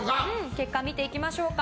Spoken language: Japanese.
結果、見ていきましょうか。